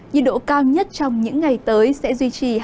nhiệt độ cao nhất trong những ngày tới sẽ duy trì hai mươi chín ba mươi hai độ